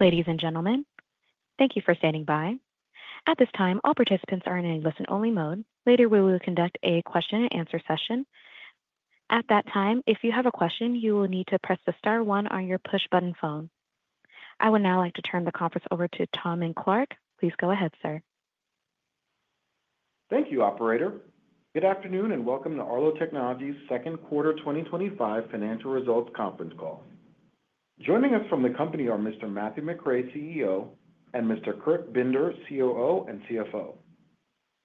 Ladies and gentlemen, thank you for standing by. At this time, all participants are in a listen-only mode. Later, we will conduct a question-and-answer session. At that time, if you have a question, you will need to press the star one on your push button phone. I would now like to turn the conference over to Tahmin Clarke. Please go ahead, sir. Thank you, Operator. Good afternoon and welcome to Arlo Technologies' second quarter 2025 financial results conference call. Joining us from the company are Mr. Matthew McRae, CEO, and Mr. Kurt Binder, COO and CFO.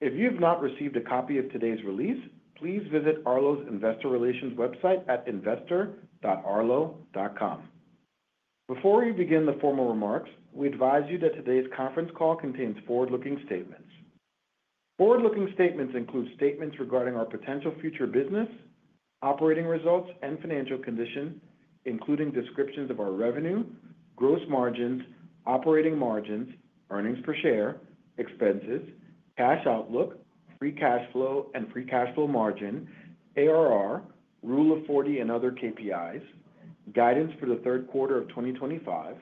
If you have not received a copy of today's release, please visit Arlo's investor relations website at investor.arlo.com. Before we begin the formal remarks, we advise you that today's conference call contains forward-looking statements. Forward-looking statements include statements regarding our potential future business, operating results, and financial condition, including descriptions of our revenue, gross margins, operating margins, earnings per share, expenses, cash outlook, free cash flow, and free cash flow margin, ARR, Rule of 40, and other KPIs, guidance for the third quarter of 2025,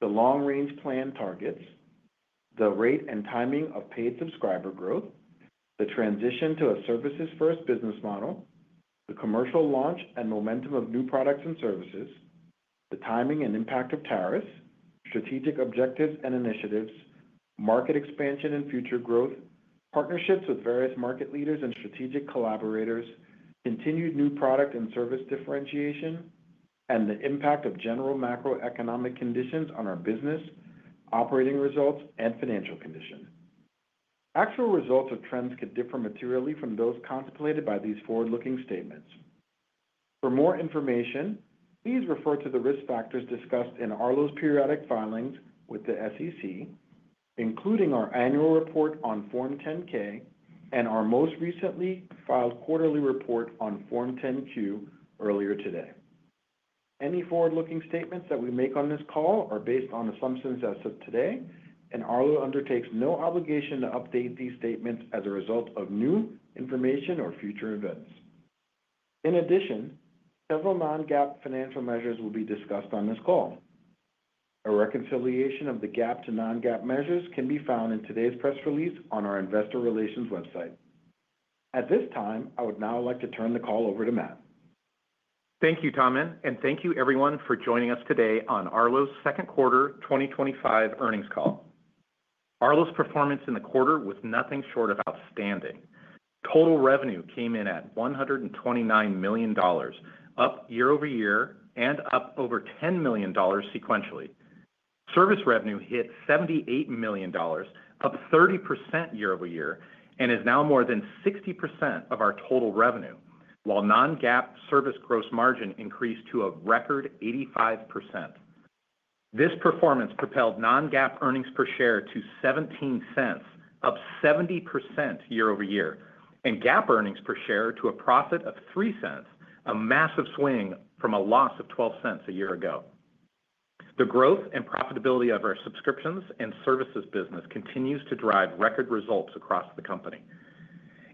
the long-range plan targets, the rate and timing of paid subscriber growth, the transition to a services-first business model, the commercial launch and momentum of new products and services, the timing and impact of tariffs, strategic objectives and initiatives, market expansion and future growth, partnerships with various market leaders and strategic collaborators, continued new product and service differentiation, and the impact of general macroeconomic conditions on our business, operating results, and financial condition. Actual results or trends could differ materially from those contemplated by these forward-looking statements. For more information, please refer to the risk factors discussed in Arlo's periodic filings with the SEC, including our annual report on Form 10-K and our most recently filed quarterly report on Form 10-Q earlier today. Any forward-looking statements that we make on this call are based on assumptions as of today, and Arlo undertakes no obligation to update these statements as a result of new information or future events. In addition, several non-GAAP financial measures will be discussed on this call. A reconciliation of the GAAP to non-GAAP measures can be found in today's press release on our investor relations website. At this time, I would now like to turn the call over to Matt. Thank you, Tahmin, and thank you everyone for joining us today on Arlo's second quarter 2025 earnings call. Arlo's performance in the quarter was nothing short of outstanding. Total revenue came in at $129 million, up year over year, and up over $10 million sequentially. Service revenue hit $78 million, up 30% year over year, and is now more than 60% of our total revenue, while non-GAAP service gross margin increased to a record 85%. This performance propelled non-GAAP earnings per share to $0.17, up 70% year over year, and GAAP earnings per share to a profit of $0.03, a massive swing from a loss of $0.12 a year ago. The growth and profitability of our subscriptions and services business continues to drive record results across the company.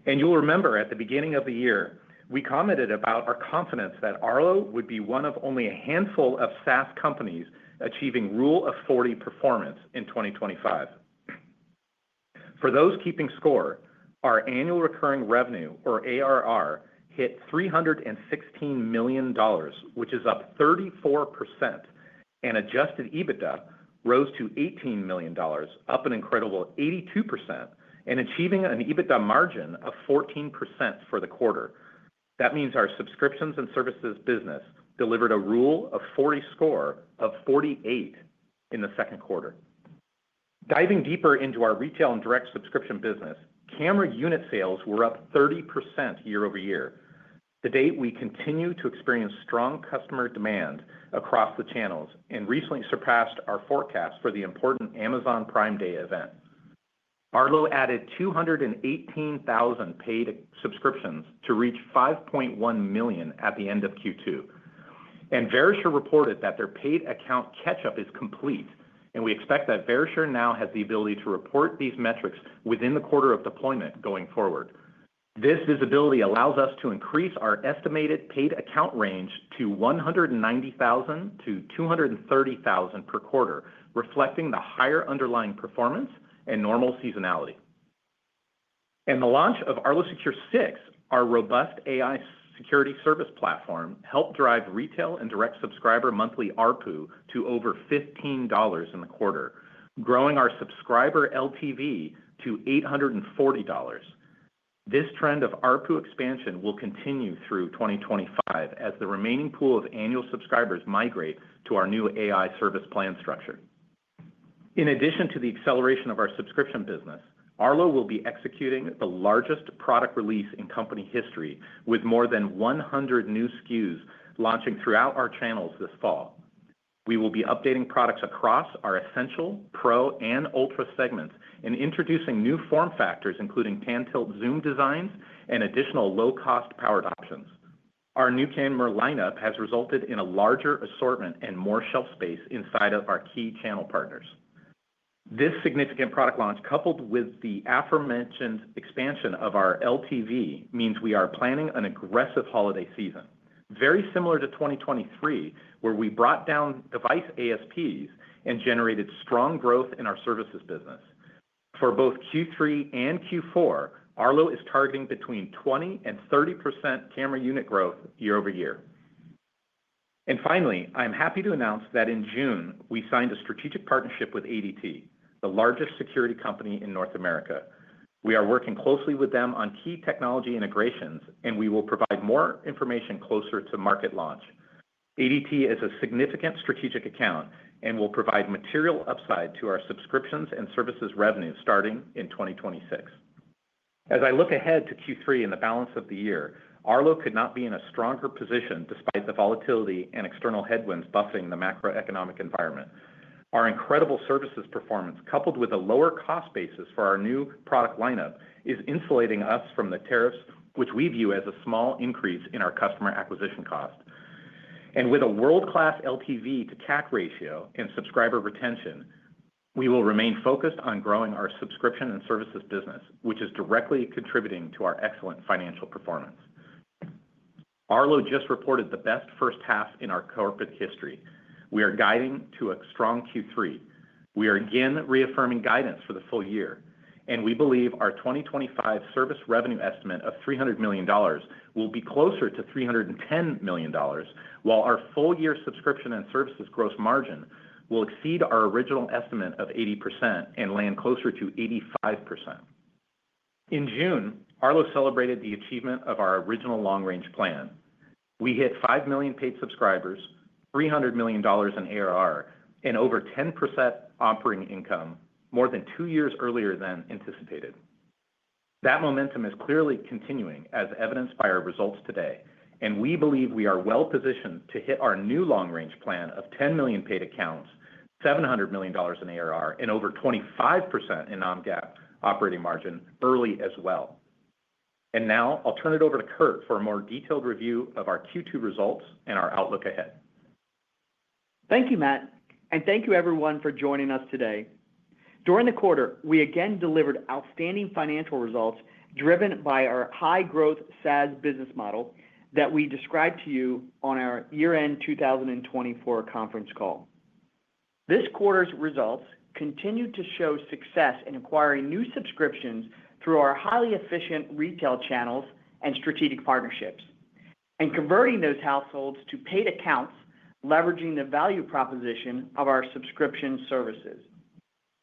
You'll remember at the beginning of the year, we commented about our confidence that Arlo would be one of only a handful of SaaS companies achieving Rule of 40 performance in 2025. For those keeping score, our annual recurring revenue, or ARR, hit $316 million, which is up 34%, and adjusted EBITDA rose to $18 million, up an incredible 82%, and achieving an EBITDA margin of 14% for the quarter. That means our subscriptions and services business delivered a Rule of 40 score of 48 in the second quarter. Diving deeper into our retail and direct subscription business, camera unit sales were up 30% year over year. To date, we continue to experience strong customer demand across the channels and recently surpassed our forecast for the important Amazon Prime Day event. Arlo added 218,000 paid subscriptions to reach 5.1 million at the end of Q2. Verisure reported that their paid account catch-up is complete, and we expect that Verisure now has the ability to report these metrics within the quarter of deployment going forward. This visibility allows us to increase our estimated paid account range to 190,000-230,000 per quarter, reflecting the higher underlying performance and normal seasonality. The launch of Arlo Secure 6, our robust AI security service platform, helped drive retail and direct subscriber monthly ARPU to over $15 in the quarter, growing our subscriber LTV to $840. This trend of ARPU expansion will continue through 2025 as the remaining pool of annual subscribers migrate to our new AI service plan structure. In addition to the acceleration of our subscription business, Arlo will be executing the largest product release in company history, with more than 100 new SKUs launching throughout our channels this fall. We will be updating products across our Essential, Pro, and Ultra segments and introducing new form factors, including pan-tilt zoom designs and additional low-cost powered options. Our new camera lineup has resulted in a larger assortment and more shelf space inside of our key channel partners. This significant product launch, coupled with the aforementioned expansion of our LTV, means we are planning an aggressive holiday season, very similar to 2023, where we brought down device ASPs and generated strong growth in our services business. For both Q3 and Q4, Arlo is targeting between 20% and 30% camera unit growth year over year. Finally, I'm happy to announce that in June, we signed a strategic partnership with ADT, the largest security company in North America. We are working closely with them on key technology integrations, and we will provide more information closer to market launch. ADT is a significant strategic account and will provide material upside to our subscriptions and services revenue starting in 2026. As I look ahead to Q3 and the balance of the year, Arlo could not be in a stronger position despite the volatility and external headwinds buffering the macroeconomic environment. Our incredible services performance, coupled with a lower cost basis for our new product lineup, is insulating us from the tariffs, which we view as a small increase in our customer acquisition cost. With a world-class LTV to CAC ratio and subscriber retention, we will remain focused on growing our subscription and services business, which is directly contributing to our excellent financial performance. Arlo just reported the best first half in our corporate history. We are guiding to a strong Q3. We are again reaffirming guidance for the full year. We believe our 2025 service revenue estimate of $300 million will be closer to $310 million, while our full-year subscription and services gross margin will exceed our original estimate of 80% and land closer to 85%. In June, Arlo celebrated the achievement of our original long-range plan. We hit 5 million paid subscribers, $300 million in ARR, and over 10% operating income, more than two years earlier than anticipated. That momentum is clearly continuing, as evidenced by our results today. We believe we are well positioned to hit our new long-range plan of 10 million paid accounts, $700 million in ARR, and over 25% in non-GAAP operating margin early as well. Now, I'll turn it over to Kurt for a more detailed review of our Q2 results and our outlook ahead. Thank you, Matt, and thank you everyone for joining us today. During the quarter, we again delivered outstanding financial results driven by our high-growth SaaS business model that we described to you on our year-end 2024 conference call. This quarter's results continue to show success in acquiring new subscriptions through our highly efficient retail channels and strategic partnerships and converting those households to paid accounts, leveraging the value proposition of our subscription services.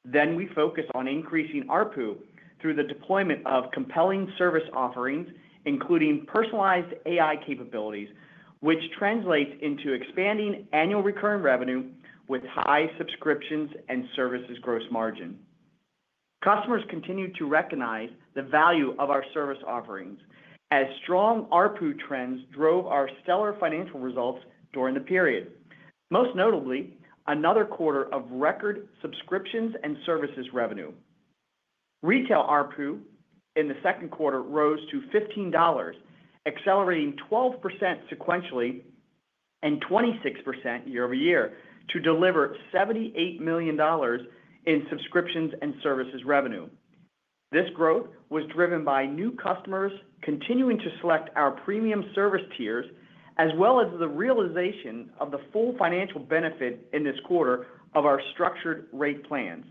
We focus on increasing ARPU through the deployment of compelling service offerings, including personalized AI capabilities, which translates into expanding annual recurring revenue with high subscriptions and services gross margin. Customers continue to recognize the value of our service offerings, as strong ARPU trends drove our stellar financial results during the period. Most notably, another quarter of record subscriptions and services revenue. Retail ARPU in the second quarter rose to $15, accelerating 12% sequentially and 26% year over year to deliver $78 million in subscriptions and services revenue. This growth was driven by new customers continuing to select our premium service tiers, as well as the realization of the full financial benefit in this quarter of our structured rate plans.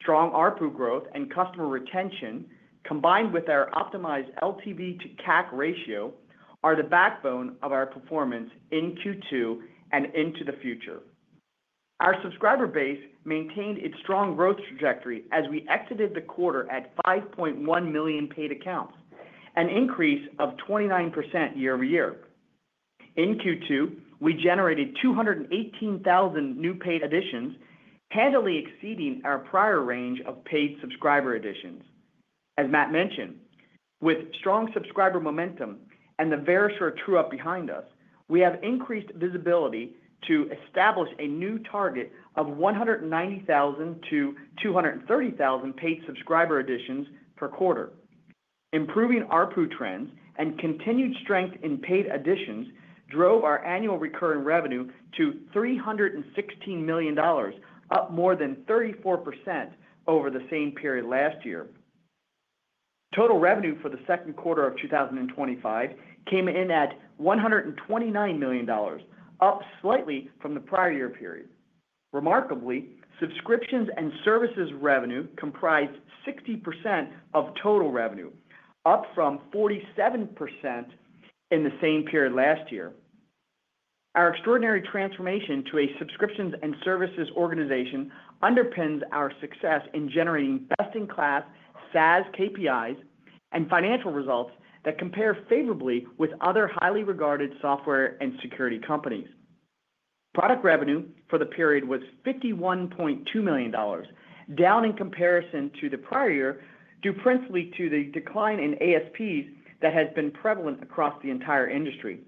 Strong ARPU growth and customer retention, combined with our optimized LTV to CAC ratio, are the backbone of our performance in Q2 and into the future. Our subscriber base maintained its strong growth trajectory as we exited the quarter at 5.1 million paid accounts, an increase of 29% year over year. In Q2, we generated 218,000 new paid additions, handily exceeding our prior range of paid subscriber additions. As Matt mentioned, with strong subscriber momentum and the Verisure true-up behind us, we have increased visibility to establish a new target of 190,000-230,000 paid subscriber additions per quarter. Improving ARPU trends and continued strength in paid additions drove our annual recurring revenue to $316 million, up more than 34% over the same period last year. Total revenue for the second quarter of 2025 came in at $129 million, up slightly from the prior year period. Remarkably, subscriptions and services revenue comprised 60% of total revenue, up from 47% in the same period last year. Our extraordinary transformation to a subscriptions and services organization underpins our success in generating best-in-class SaaS KPIs and financial results that compare favorably with other highly regarded software and security companies. Product revenue for the period was $51.2 million, down in comparison to the prior year, due principally to the decline in ASPs that has been prevalent across the entire industry.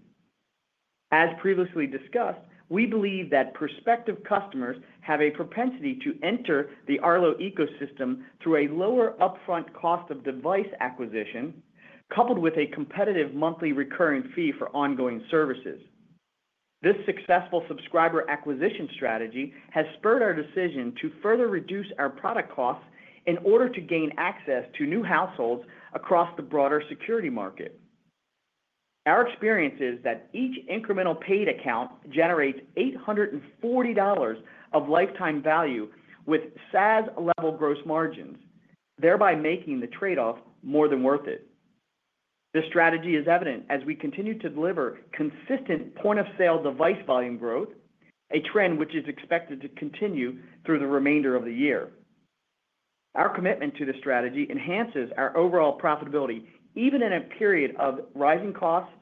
As previously discussed, we believe that prospective customers have a propensity to enter the Arlo ecosystem through a lower upfront cost of device acquisition, coupled with a competitive monthly recurring fee for ongoing services. This successful subscriber acquisition strategy has spurred our decision to further reduce our product costs in order to gain access to new households across the broader security market. Our experience is that each incremental paid account generates $840 of lifetime value with SaaS-level gross margins, thereby making the trade-off more than worth it. This strategy is evident as we continue to deliver consistent point-of-sale device volume growth, a trend which is expected to continue through the remainder of the year. Our commitment to this strategy enhances our overall profitability, even in a period of rising costs,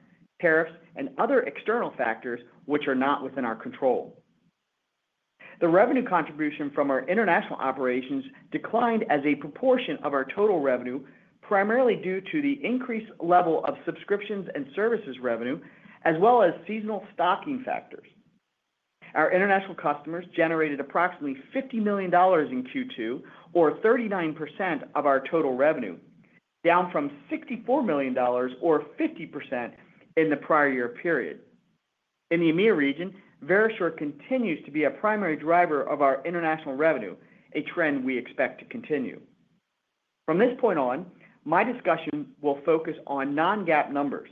tariffs, and other external factors which are not within our control. The revenue contribution from our international operations declined as a proportion of our total revenue, primarily due to the increased level of subscriptions and services revenue, as well as seasonal stocking factors. Our international customers generated approximately $50 million in Q2, or 39% of our total revenue, down from $64 million, or 50% in the prior year period. In the EMEA region, Verisure continues to be a primary driver of our international revenue, a trend we expect to continue. From this point on, my discussion will focus on non-GAAP numbers.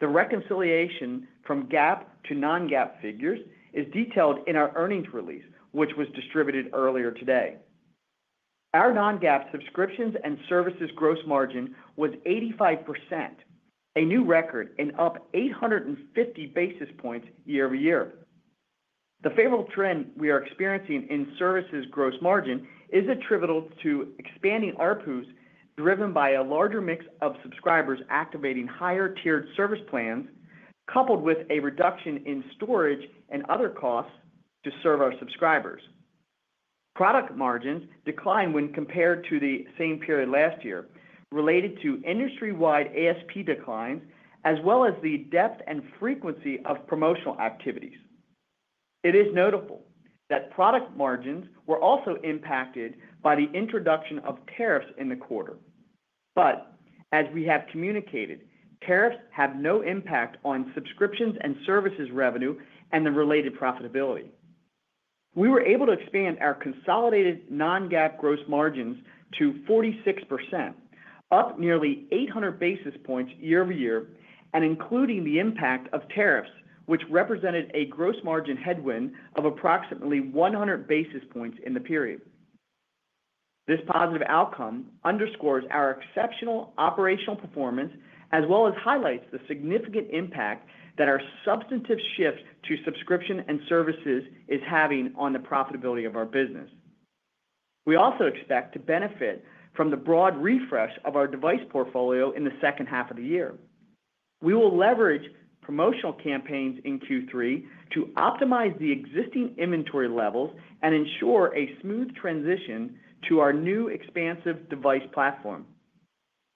The reconciliation from GAAP to non-GAAP figures is detailed in our earnings release, which was distributed earlier today. Our non-GAAP subscriptions and services gross margin was 85%, a new record and up 850 basis points year over year. The favorable trend we are experiencing in services gross margin is attributable to expanding ARPUs, driven by a larger mix of subscribers activating higher-tiered service plans, coupled with a reduction in storage and other costs to serve our subscribers. Product margins declined when compared to the same period last year, related to industry-wide ASP declines, as well as the depth and frequency of promotional activities. It is notable that product margins were also impacted by the introduction of tariffs in the quarter. As we have communicated, tariffs have no impact on subscriptions and services revenue and the related profitability. We were able to expand our consolidated non-GAAP gross margins to 46%, up nearly 800 basis points year over year, and including the impact of tariffs, which represented a gross margin headwind of approximately 100 basis points in the period. This positive outcome underscores our exceptional operational performance, as well as highlights the significant impact that our substantive shift to subscription and services is having on the profitability of our business. We also expect to benefit from the broad refresh of our device portfolio in the second half of the year. We will leverage promotional campaigns in Q3 to optimize the existing inventory levels and ensure a smooth transition to our new expansive device platform.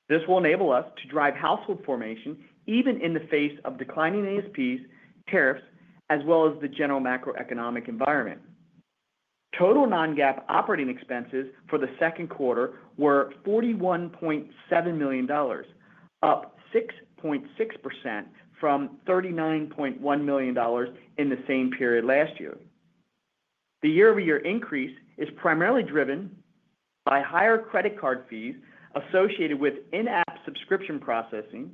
This will enable us to drive household formation, even in the face of declining ASPs, tariffs, as well as the general macroeconomic environment. Total non-GAAP operating expenses for the second quarter were $41.7 million, up 6.6% from $39.1 million in the same period last year. The year-over-year increase is primarily driven by higher credit card fees associated with in-app subscription processing,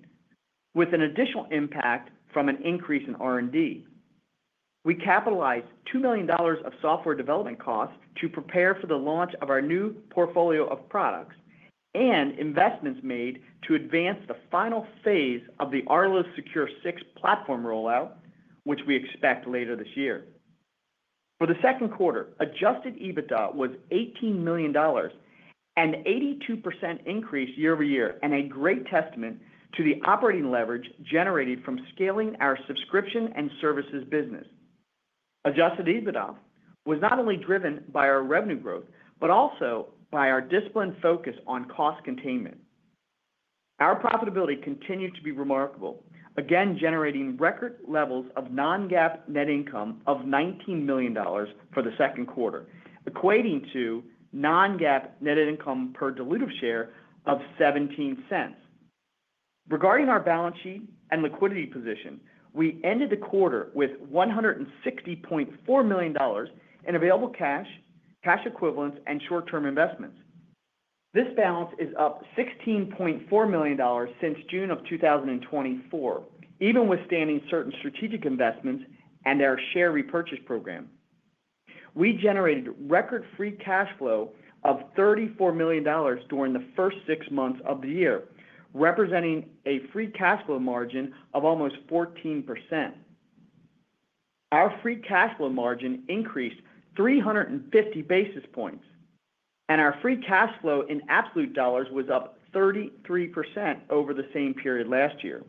with an additional impact from an increase in R&D. We capitalized $2 million of software development costs to prepare for the launch of our new portfolio of products and investments made to advance the final phase of the Arlo Secure 6 platform rollout, which we expect later this year. For the second quarter, adjusted EBITDA was $18 million, an 82% increase year over year, and a great testament to the operating leverage generated from scaling our subscription and services business. Adjusted EBITDA was not only driven by our revenue growth, but also by our disciplined focus on cost containment. Our profitability continues to be remarkable, again generating record levels of non-GAAP net income of $19 million for the second quarter, equating to non-GAAP net income per dilutive share of $0.17. Regarding our balance sheet and liquidity position, we ended the quarter with $160.4 million in available cash, cash equivalents, and short-term investments. This balance is up $16.4 million since June of 2024, even withstanding certain strategic investments and our share repurchase program. We generated record free cash flow of $34 million during the first six months of the year, representing a free cash flow margin of almost 14%. Our free cash flow margin increased 350 basis points, and our free cash flow in absolute dollars was up 33% over the same period last year.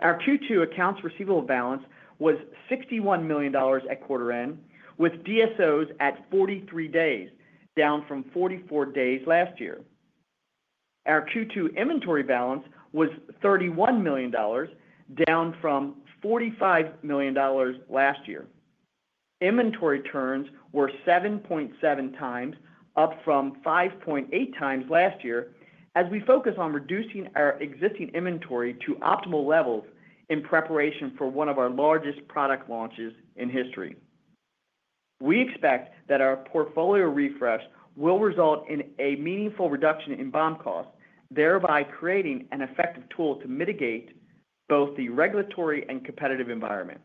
Our Q2 accounts receivable balance was $61 million at quarter end, with DSOs at 43 days, down from 44 days last year. Our Q2 inventory balance was $31 million, down from $45 million last year. Inventory turns were 7.7x, up from 5.8x last year, as we focus on reducing our existing inventory to optimal levels in preparation for one of our largest product launches in history. We expect that our portfolio refresh will result in a meaningful reduction in BOM costs, thereby creating an effective tool to mitigate both the regulatory and competitive environment.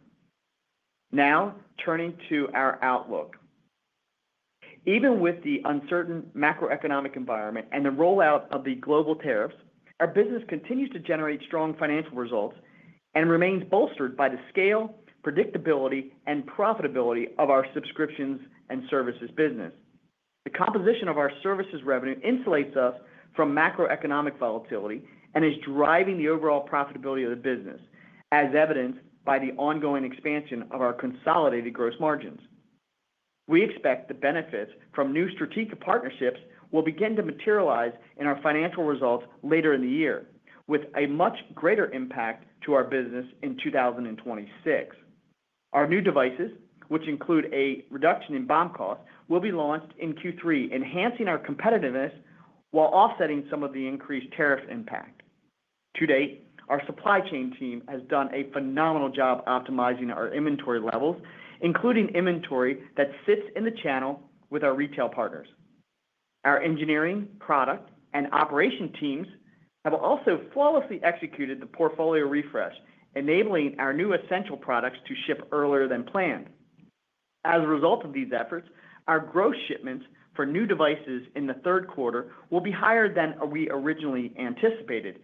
Now, turning to our outlook. Even with the uncertain macroeconomic environment and the rollout of the global tariffs, our business continues to generate strong financial results and remains bolstered by the scale, predictability, and profitability of our subscriptions and services business. The composition of our services revenue insulates us from macroeconomic volatility and is driving the overall profitability of the business, as evidenced by the ongoing expansion of our consolidated gross margins. We expect the benefits from new strategic partnerships will begin to materialize in our financial results later in the year, with a much greater impact to our business in 2026. Our new devices, which include a reduction in BOM costs, will be launched in Q3, enhancing our competitiveness while offsetting some of the increased tariff impact. To date, our supply chain team has done a phenomenal job optimizing our inventory levels, including inventory that sits in the channel with our retail partners. Our engineering, product, and operation teams have also flawlessly executed the portfolio refresh, enabling our new essential products to ship earlier than planned. As a result of these efforts, our gross shipments for new devices in the third quarter will be higher than we originally anticipated,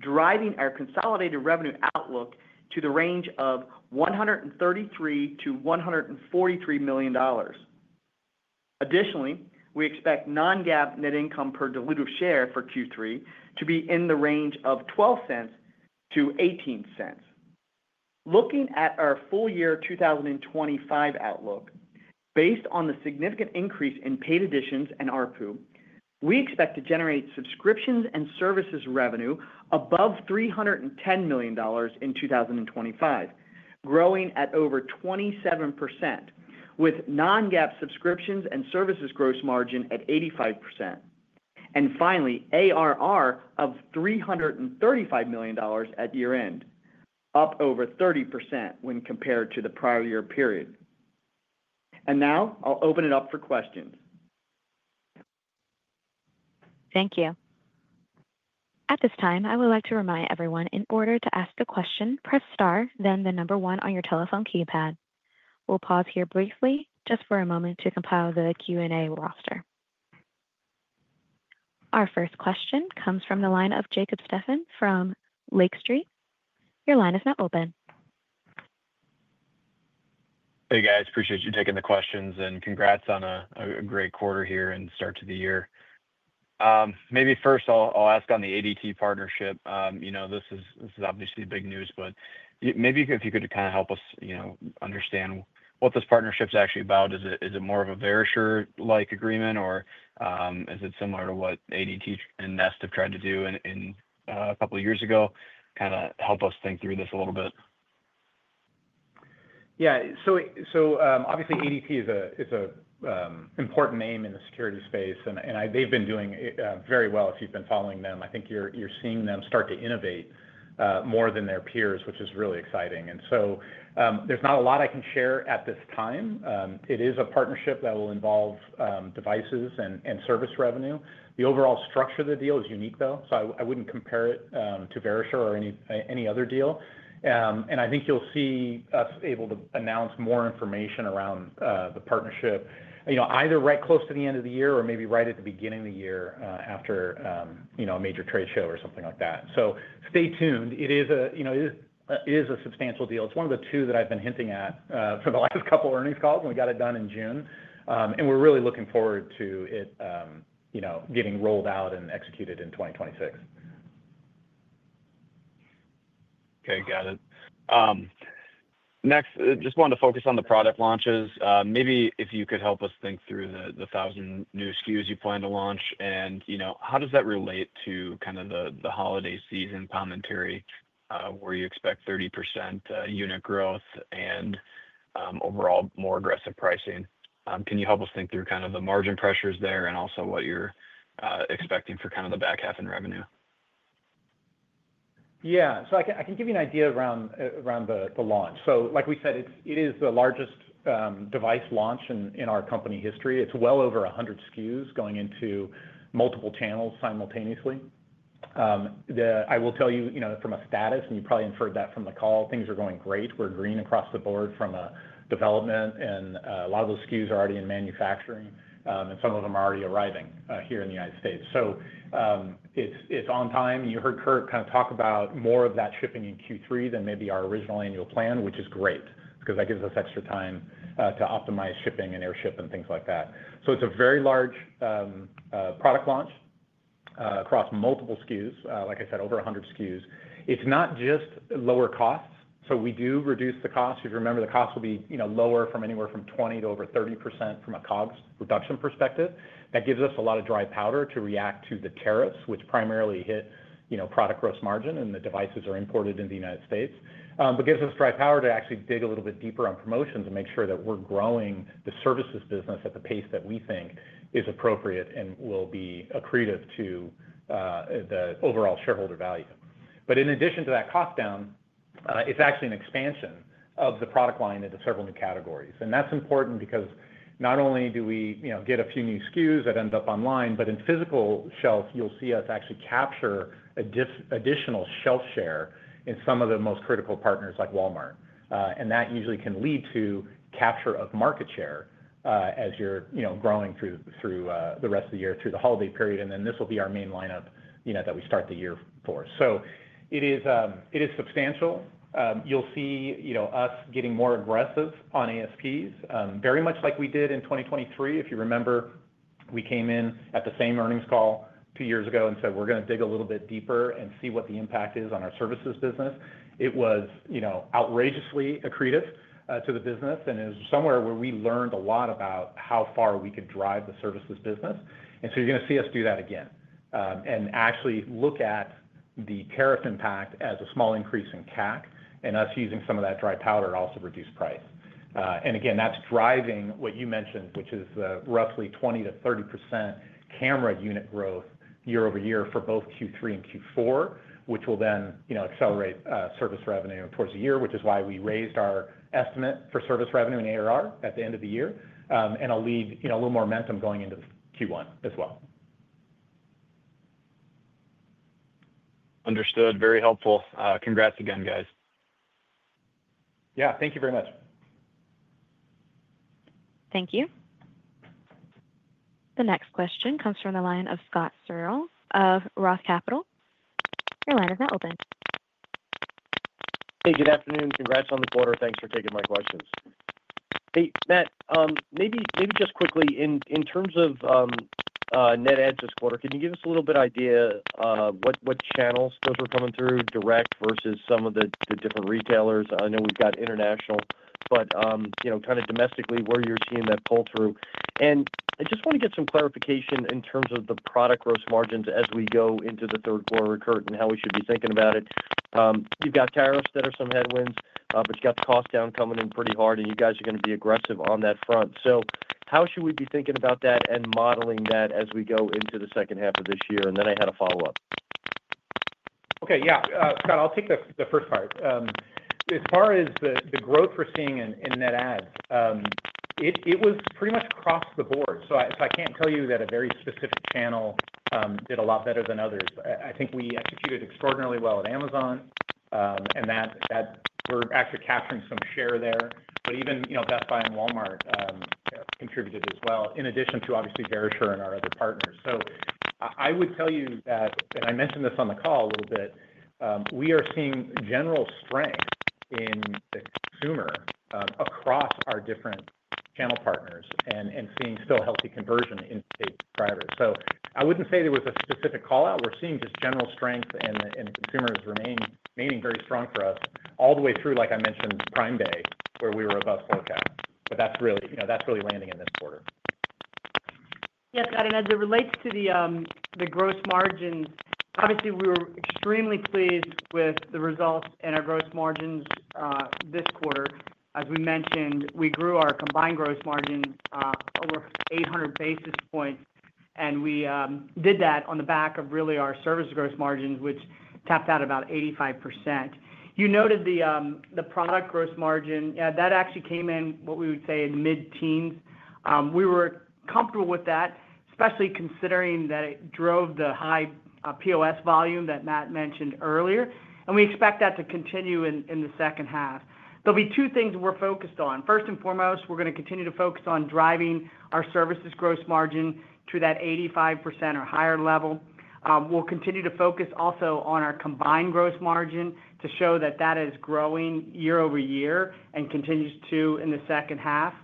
driving our consolidated revenue outlook to the range of $133 million-$143 million. Additionally, we expect non-GAAP net income per dilutive share for Q3 to be in the range of $0.12-$0.18. Looking at our full-year 2025 outlook, based on the significant increase in paid additions and ARPU, we expect to generate subscriptions and services revenue above $310 million in 2025, growing at over 27%, with non-GAAP subscriptions and services gross margin at 85%. Finally, ARR of $335 million at year end, up over 30% when compared to the prior year period. Now, I'll open it up for questions. Thank you. At this time, I would like to remind everyone, in order to ask a question, press star, then the number one on your telephone keypad. We'll pause here briefly just for a moment to compile the Q&A roster. Our first question comes from the line of Jacob Stephan from Lake Street. Your line is now open. Hey, guys. Appreciate you taking the questions, and congrats on a great quarter here and start to the year. Maybe first I'll ask on the ADT partnership. This is obviously big news, but maybe if you could kind of help us understand what this partnership is actually about. Is it more of a Verisure-like agreement, or is it similar to what ADT and Nest have tried to do a couple of years ago? Kind of help us think through this a little bit. Yeah, obviously ADT is an important name in the security space, and they've been doing very well if you've been following them. I think you're seeing them start to innovate more than their peers, which is really exciting. There's not a lot I can share at this time. It is a partnership that will involve devices and service revenue. The overall structure of the deal is unique, though, so I wouldn't compare it to Verisure or any other deal. I think you'll see us able to announce more information around the partnership, either right close to the end of the year or maybe right at the beginning of the year after a major trade show or something like that. Stay tuned. It is a substantial deal. It's one of the two that I've been hinting at for the last couple of earnings calls, and we got it done in June, and we're really looking forward to it getting rolled out and executed in 2026. Okay, got it. Next, I just wanted to focus on the product launches. Maybe if you could help us think through the thousand new SKUs you plan to launch, and you know, how does that relate to kind of the holiday season commentary, where you expect 30% unit growth and overall more aggressive pricing? Can you help us think through kind of the margin pressures there and also what you're expecting for kind of the back half in revenue? Yeah, I can give you an idea around the launch. Like we said, it is the largest device launch in our company history. It's well over 100 SKUs going into multiple channels simultaneously. I will tell you, from a status, and you probably inferred that from the call, things are going great. We're green across the board from a development, and a lot of those SKUs are already in manufacturing, and some of them are already arriving here in the United States. It's on time. You heard Kurt kind of talk about more of that shipping in Q3 than maybe our original annual plan, which is great because that gives us extra time to optimize shipping and airship and things like that. It's a very large product launch across multiple SKUs, like I said, over 100 SKUs. It's not just lower costs. We do reduce the cost. If you remember, the cost will be lower from anywhere from 20% to over 30% from a COGS reduction perspective. That gives us a lot of dry powder to react to the tariffs, which primarily hit product gross margin, and the devices are imported in the United States, but gives us dry powder to actually dig a little bit deeper on promotions and make sure that we're growing the services business at the pace that we think is appropriate and will be accretive to the overall shareholder value. In addition to that cost down, it's actually an expansion of the product line into several new categories. That's important because not only do we get a few new SKUs that end up online, but in physical shelf, you'll see us actually capture additional shelf share in some of the most critical partners like Walmart. That usually can lead to capture of market share as you're growing through the rest of the year, through the holiday period. This will be our main lineup that we start the year for. It is substantial. You'll see us getting more aggressive on ASPs very much like we did in 2023. If you remember, we came in at the same earnings call two years ago and said we're going to dig a little bit deeper and see what the impact is on our services business. It was outrageously accretive to the business, and it was somewhere where we learned a lot about how far we could drive the services business. You're going to see us do that again and actually look at the tariff impact as a small increase in CAC and us using some of that dry powder to also reduce price. That's driving what you mentioned, which is the roughly 20%-30% camera unit growth year over year for both Q3 and Q4, which will then accelerate service revenue towards the year, which is why we raised our estimate for service revenue and annual recurring revenue at the end of the year. I'll leave a little more momentum going into Q1 as well. Understood. Very helpful. Congrats again, guys. Thank you very much. Thank you. The next question comes from the line of Scott Searle of ROTH Capital. Your line is now open. Hey, good afternoon. Congrats on the quarter. Thanks for taking my questions. Hey, Matt, maybe just quickly, in terms of net adds this quarter, can you give us a little bit of idea of what channels those are coming through, direct versus some of the different retailers? I know we've got international, but you know, kind of domestically, where you're seeing that pull through. I just want to get some clarification in terms of the product gross margins as we go into the third quarter, Kurt, and how we should be thinking about it. You've got tariffs that are some headwinds, but you've got cost down coming in pretty hard, and you guys are going to be aggressive on that front. How should we be thinking about that and modeling that as we go into the second half of this year? I had a follow-up. Okay, yeah, Scott, I'll take the first part. As far as the growth we're seeing in net adds, it was pretty much across the board. I can't tell you that a very specific channel did a lot better than others. I think we executed extraordinarily well at Amazon, and that we're actually capturing some share there. Even Best Buy and Walmart contributed as well, in addition to obviously Verisure and our other partners. I would tell you that, and I mentioned this on the call a little bit, we are seeing general strength in the consumer across our different channel partners and seeing still healthy conversion in big drivers. I wouldn't say there was a specific callout. We're seeing just general strength and consumers remaining very strong for us all the way through, like I mentioned, Prime Day, where we were above closeout. That's really landing in this quarter. Yes, Scott, and as it relates to the gross margins, obviously we were extremely pleased with the results and our gross margins this quarter. As we mentioned, we grew our combined gross margin over 800 basis points, and we did that on the back of really our service gross margins, which tapped out about 85%. You noted the product gross margin, yeah, that actually came in what we would say in the mid-teens. We were comfortable with that, especially considering that it drove the high POS volume that Matt mentioned earlier. We expect that to continue in the second half. There'll be two things we're focused on. First and foremost, we're going to continue to focus on driving our services gross margin to that 85% or higher level. We'll continue to focus also on our combined gross margin to show that that is growing year over year and continues to in the second half.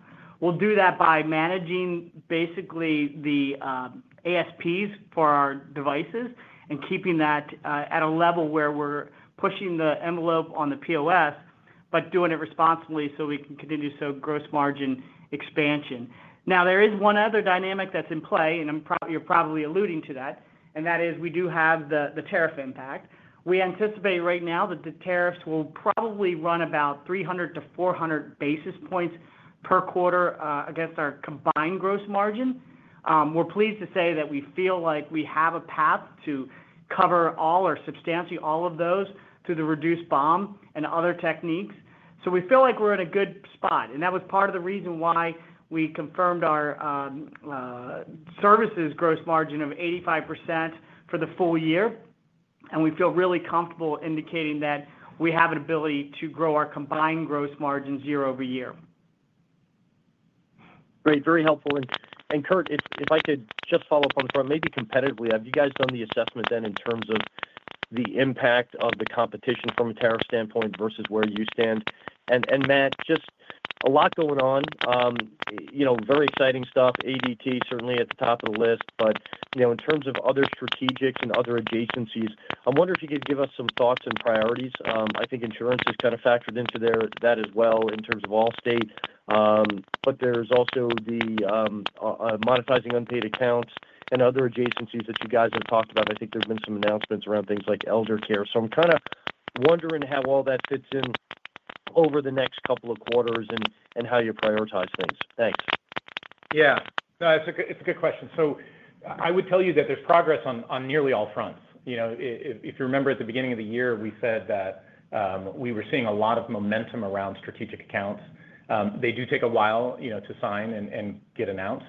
We'll do that by managing basically the ASPs for our devices and keeping that at a level where we're pushing the envelope on the POS, but doing it responsibly so we can continue to show gross margin expansion. There is one other dynamic that's in play, and you're probably alluding to that, and that is we do have the tariff impact. We anticipate right now that the tariffs will probably run about 300 basis points-400 basis points per quarter against our combined gross margin. We're pleased to say that we feel like we have a path to cover all or substantially all of those through the reduced BOM and other techniques. We feel like we're in a good spot, and that was part of the reason why we confirmed our services gross margin of 85% for the full year. We feel really comfortable indicating that we have an ability to grow our combined gross margin year over year. Great, very helpful. Kurt, if I could just follow up on the front, maybe competitively, have you guys done the assessment then in terms of the impact of the competition from a tariff standpoint versus where you stand? Matt, just a lot going on, you know, very exciting stuff. ADT certainly at the top of the list, but in terms of other strategics and other adjacencies, I wonder if you could give us some thoughts and priorities. I think insurance is kind of factored into that as well in terms of Allstate. There's also the monetizing unpaid accounts and other adjacencies that you guys have talked about. I think there have been some announcements around things like elder care. I'm kind of wondering how all that fits in over the next couple of quarters and how you prioritize things. Thanks. Yeah, no, it's a good question. I would tell you that there's progress on nearly all fronts. If you remember at the beginning of the year, we said that we were seeing a lot of momentum around strategic accounts. They do take a while to sign and get announced.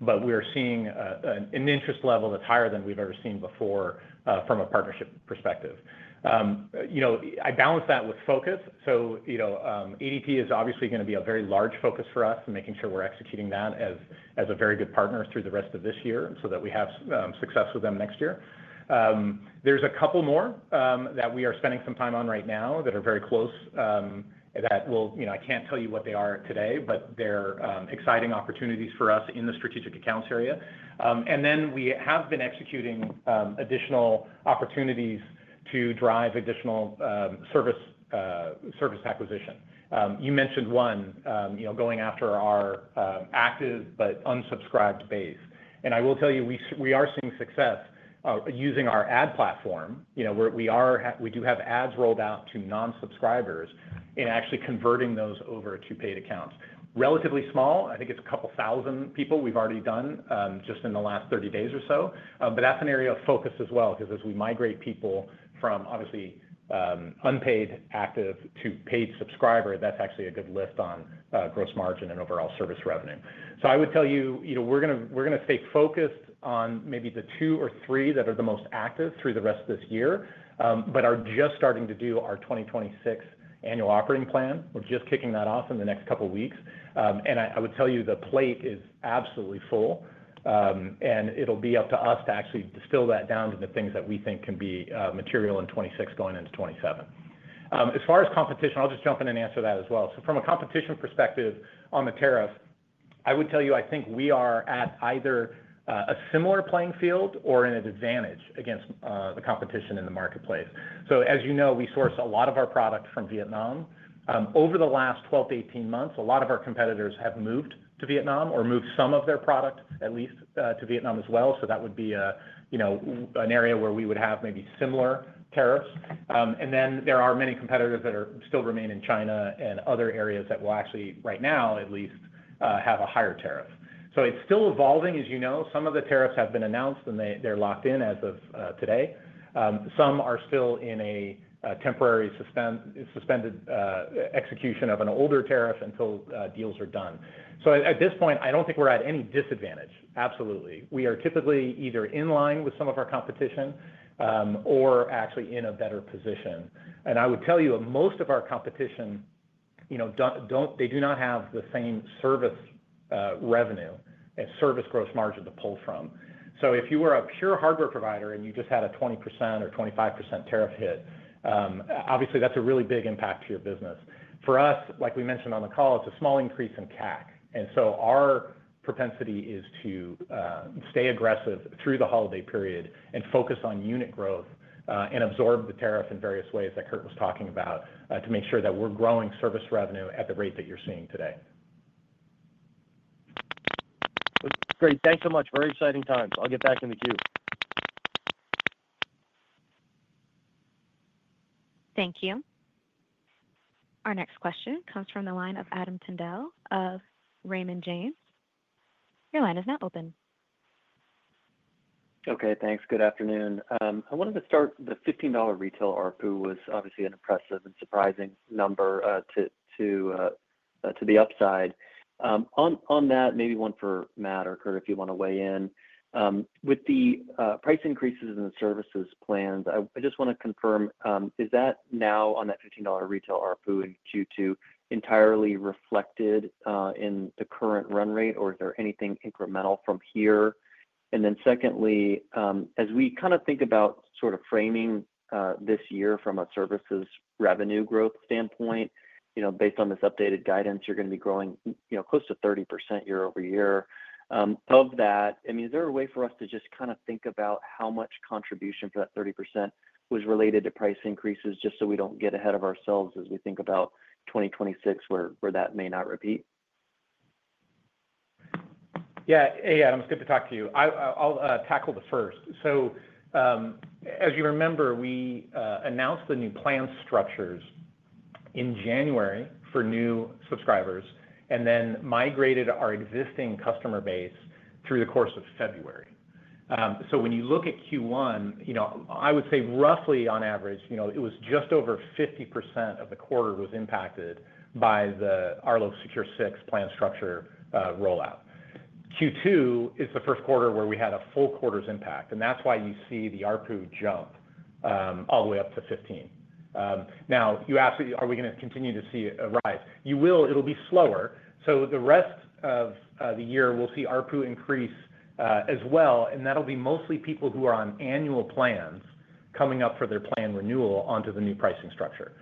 We're seeing an interest level that's higher than we've ever seen before from a partnership perspective. I balance that with focus. ADT is obviously going to be a very large focus for us and making sure we're executing that as a very good partner through the rest of this year so that we have success with them next year. There's a couple more that we are spending some time on right now that are very close. I can't tell you what they are today, but they're exciting opportunities for us in the strategic accounts area. We have been executing additional opportunities to drive additional service acquisition. You mentioned one, going after our active, but unsubscribed base. I will tell you, we are seeing success using our ad platform. We do have ads rolled out to non-subscribers and actually converting those over to paid accounts. Relatively small, I think it's a couple thousand people we've already done just in the last 30 days or so. That's an area of focus as well, because as we migrate people from obviously unpaid active to paid subscriber, that's actually a good lift on gross margin and overall service revenue. I would tell you, we're going to stay focused on maybe the two or three that are the most active through the rest of this year, but are just starting to do our 2026 annual operating plan. We're just kicking that off in the next couple of weeks. I would tell you, the plate is absolutely full. It'll be up to us to actually distill that down to the things that we think can be material in 2026 going into 2027. As far as competition, I'll just jump in and answer that as well. From a competition perspective on the tariff, I would tell you, I think we are at either a similar playing field or in an advantage against the competition in the marketplace. As you know, we source a lot of our product from Vietnam. Over the last 12 months-18 months, a lot of our competitors have moved to Vietnam or moved some of their product at least to Vietnam as well. That would be an area where we would have maybe similar tariff. There are many competitors that still remain in China and other areas that will actually, right now at least, have a higher tariff. It's still evolving. As you know, some of the tariffs have been announced and they're locked in as of today. Some are still in a temporary suspended execution of an older tariff until deals are done. At this point, I don't think we're at any disadvantage. Absolutely. We are typically either in line with some of our competition or actually in a better position. I would tell you, most of our competition do not have the same service revenue and service gross margin to pull from. If you were a pure hardware provider and you just had a 20% or 25% tariff hit, obviously that's a really big impact to your business. For us, like we mentioned on the call, it's a small increase in CAC. Our propensity is to stay aggressive through the holiday period and focus on unit growth and absorb the tariff in various ways that Kurt was talking about to make sure that we're growing service revenue at the rate that you're seeing today. Great. Thanks so much. Very exciting times. I'll get back in the queue. Thank you. Our next question comes from the line of Adam Tindle of Raymond James. Your line is now open. Okay, thanks. Good afternoon. I wanted to start, the $15 retail ARPU was obviously an impressive and surprising number to the upside. On that, maybe one for Matt or Kurt if you want to weigh in. With the price increases in the services planned, I just want to confirm, is that now on that $15 retail ARPU in Q2 entirely reflected in the current run rate, or is there anything incremental from here? Secondly, as we kind of think about sort of framing this year from a services revenue growth standpoint, you know, based on this updated guidance, you're going to be growing, you know, close to 30% year over year. Of that, I mean, is there a way for us to just kind of think about how much contribution for that 30% was related to price increases, just so we don't get ahead of ourselves as we think about 2026 where that may not repeat? Yeah, hey Adam, it's good to talk to you. I'll tackle the first. As you remember, we announced the new plan structures in January for new subscribers and then migrated our existing customer base through the course of February. When you look at Q1, I would say roughly on average, it was just over 50% of the quarter that was impacted by the Arlo Secure 6 plan structure rollout. Q2 is the first quarter where we had a full quarter's impact, and that's why you see the ARPU jump all the way up to $15. You asked, are we going to continue to see a rise? You will. It'll be slower. The rest of the year, we'll see ARPU increase as well, and that'll be mostly people who are on annual plans coming up for their plan renewal onto the new pricing structure.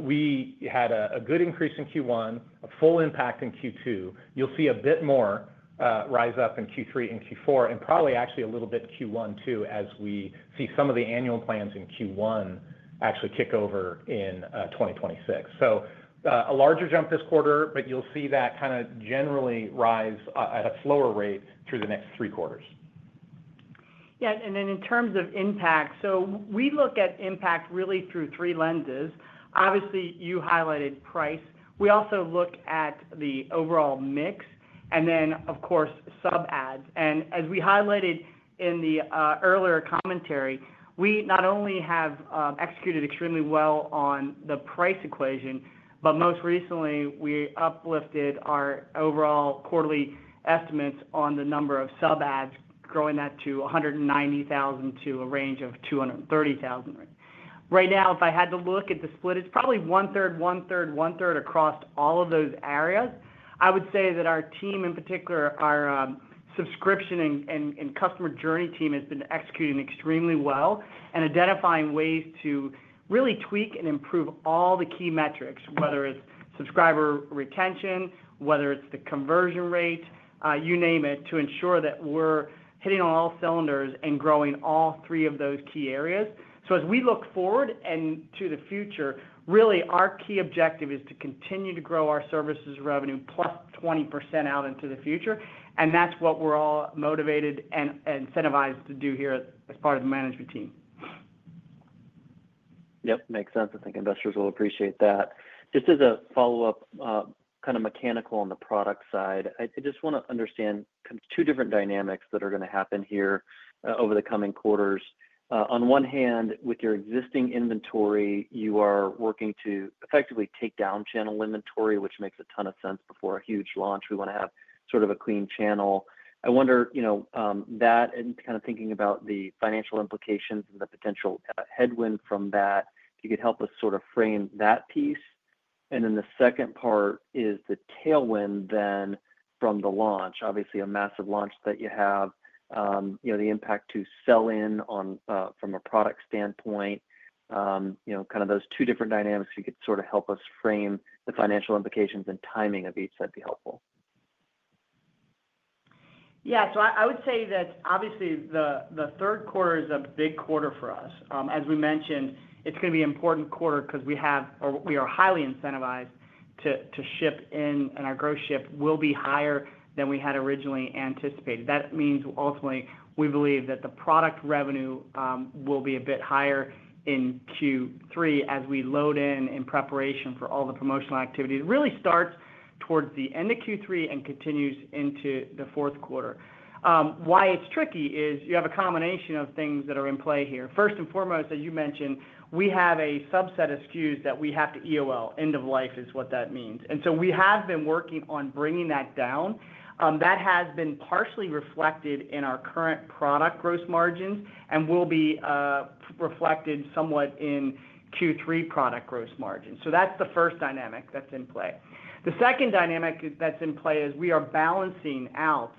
We had a good increase in Q1, a full impact in Q2. You'll see a bit more rise up in Q3 and Q4, and probably actually a little bit Q1 too, as we see some of the annual plans in Q1 actually kick over in 2026. A larger jump this quarter, but you'll see that kind of generally rise at a slower rate through the next three quarters. Yeah, and then in terms of impact, we look at impact really through three lenses. Obviously, you highlighted price. We also look at the overall mix, and then, of course, sub-ads. As we highlighted in the earlier commentary, we not only have executed extremely well on the price equation, but most recently we uplifted our overall quarterly estimates on the number of sub-ads, growing that to 190,000 to a range of 230,000. Right now, if I had to look at the split, it's probably one-third, one-third, one-third across all of those areas. I would say that our team, in particular, our Subscription and Customer Journey team, has been executing extremely well and identifying ways to really tweak and improve all the key metrics, whether it's subscriber retention, whether it's the conversion rate, you name it, to ensure that we're hitting on all cylinders and growing all three of those key areas. As we look forward and to the future, really our key objective is to continue to grow our services revenue plus 20% out into the future. That's what we're all motivated and incentivized to do here as part of the management team. Yep, makes sense. I think investors will appreciate that. Just as a follow-up, kind of mechanical on the product side, I just want to understand kind of two different dynamics that are going to happen here over the coming quarters. On one hand, with your existing inventory, you are working to effectively take down channel inventory, which makes a ton of sense before a huge launch. We want to have sort of a clean channel. I wonder, you know, that and kind of thinking about the financial implications and the potential headwind from that, if you could help us sort of frame that piece. The second part is the tailwind then from the launch, obviously a massive launch that you have, you know, the impact to sell in from a product standpoint, you know, kind of those two different dynamics, if you could sort of help us frame the financial implications and timing of each, that'd be helpful. Yeah, so I would say that obviously the third quarter is a big quarter for us. As we mentioned, it's going to be an important quarter because we have, or we are highly incentivized to ship in, and our gross ship will be higher than we had originally anticipated. That means ultimately we believe that the product revenue will be a bit higher in Q3 as we load in in preparation for all the promotional activity. It really starts towards the end of Q3 and continues into the fourth quarter. Why it's tricky is you have a combination of things that are in play here. First and foremost, as you mentioned, we have a subset of SKUs that we have to EOL, end of life is what that means. We have been working on bringing that down. That has been partially reflected in our current product gross margins and will be reflected somewhat in Q3 product gross margins. That's the first dynamic that's in play. The second dynamic that's in play is we are balancing out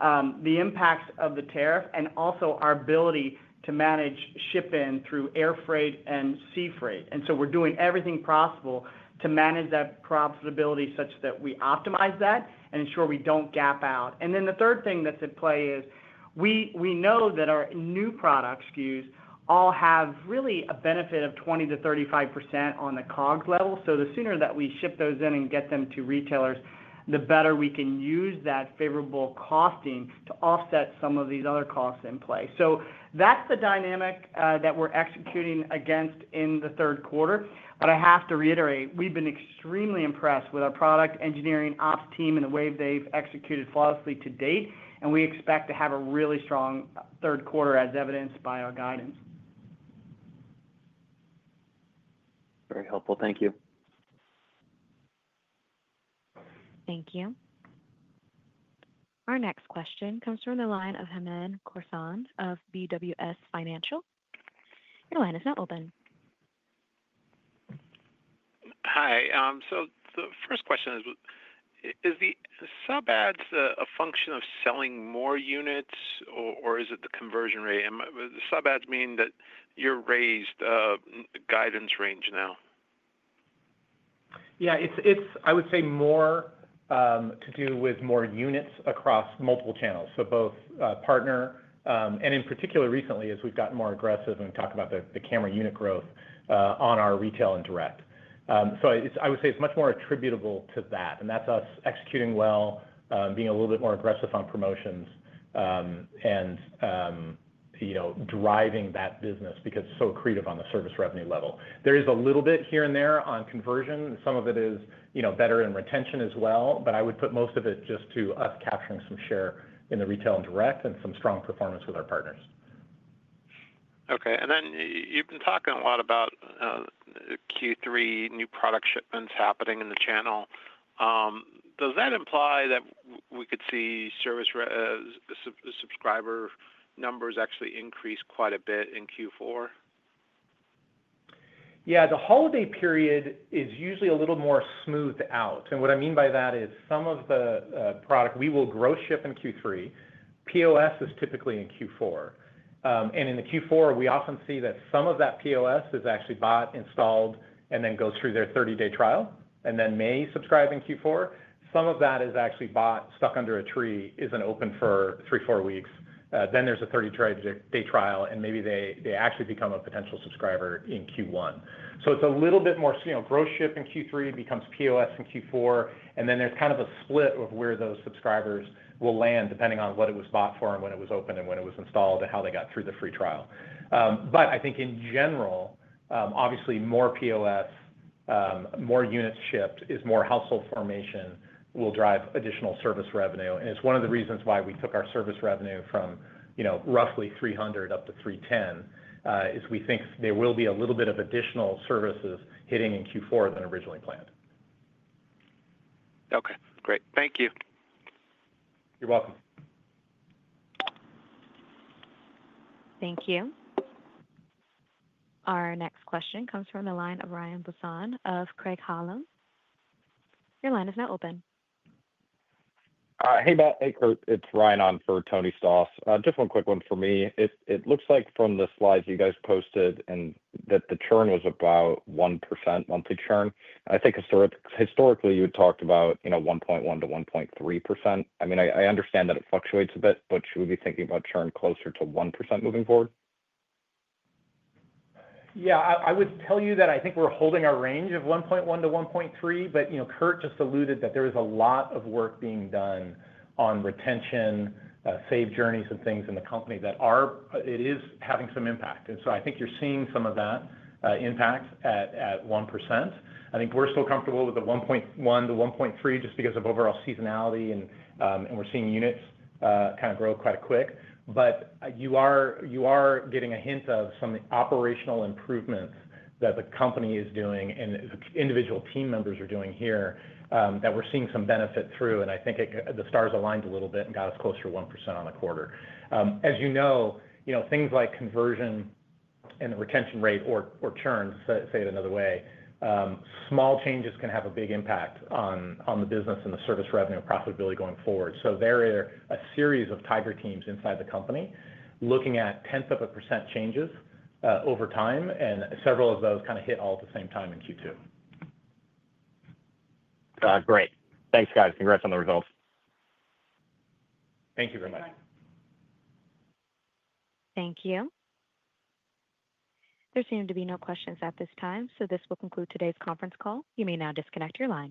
the impacts of the tariff and also our ability to manage ship-in through air freight and sea freight. We are doing everything possible to manage that profitability such that we optimize that and ensure we don't gap out. The third thing that's at play is we know that our new product SKUs all have really a benefit of 20%-35% on the COGS level. The sooner that we ship those in and get them to retailers, the better we can use that favorable costing to offset some of these other costs in play. That's the dynamic that we're executing against in the third quarter. I have to reiterate, we've been extremely impressed with our product engineering ops team and the way they've executed flawlessly to date. We expect to have a really strong third quarter as evidenced by our guidance. Very helpful. Thank you. Thank you. Our next question comes from the line of Hamed Khorsand of BWS Financial. Your line is now open. Hi. The first question is, is the sub-ads a function of selling more units, or is it the conversion rate? The sub-ads mean that you raised a guidance range now. Yeah, it's, I would say, more to do with more units across multiple channels. Both partner, and in particular recently as we've gotten more aggressive and we talk about the camera unit growth on our retail and direct. I would say it's much more attributable to that. That's us executing well, being a little bit more aggressive on promotions, and driving that business because it's so accretive on the service revenue level. There is a little bit here and there on conversion. Some of it is better in retention as well. I would put most of it just to us capturing some share in the retail and direct and some strong performance with our partners. Okay. You've been talking a lot about Q3 new product shipments happening in the channel. Does that imply that we could see service subscriber numbers actually increase quite a bit in Q4? Yeah, the holiday period is usually a little more smoothed out. What I mean by that is some of the product we will gross ship in Q3. POS is typically in Q4. In Q4, we often see that some of that POS is actually bought, installed, and then goes through their 30-day trial and then may subscribe in Q4. Some of that is actually bought, stuck under a tree, isn't open for three, four weeks. Then there's a 30-day trial, and maybe they actually become a potential subscriber in Q1. It's a little bit more, you know, gross ship in Q3 becomes POS in Q4. There's kind of a split of where those subscribers will land depending on what it was bought for and when it was open and when it was installed and how they got through the free trial. I think in general, obviously more POS, more units shipped is more household formation, will drive additional service revenue. It's one of the reasons why we took our service revenue from, you know, roughly $300 million up to $310 million, as we think there will be a little bit of additional services hitting in Q4 than originally planned. Okay, great. Thank you. You're welcome. Thank you. Our next question comes from the line of Ryan Sigdahl of Craig Hallum. Your line is now open. Hey Matt, hey Kurt, it's Ryan on for Tony Stoss. Just one quick one for me. It looks like from the slides you guys posted that the churn was about 1% monthly churn. I think historically you had talked about, you know, 1.1%-1.3%. I mean, I understand that it fluctuates a bit, but should we be thinking about churn closer to 1% moving forward? Yeah, I would tell you that I think we're holding our range of 1.1%-1.3%, but you know, Kurt just alluded that there was a lot of work being done on retention, save journeys, and things in the company that are, it is having some impact. I think you're seeing some of that impact at 1%. I think we're still comfortable with the 1.1%-1.3% just because of overall seasonality and we're seeing units kind of grow quite quick. You are getting a hint of some operational improvements that the company is doing and the individual team members are doing here that we're seeing some benefit through. I think the stars aligned a little bit and got us closer to 1% on the quarter. As you know, things like conversion and the retention rate or churn, say it another way, small changes can have a big impact on the business and the service revenue and profitability going forward. There are a series of tiger teams inside the company looking at tenth of a percent changes over time, and several of those kind of hit all at the same time in Q2. Great. Thanks, guys. Congrats on the results. Thank you very much. Thank you. There seem to be no questions at this time, so this will conclude today's conference call. You may now disconnect your line.